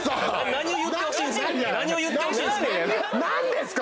何を言ってほしいんすか？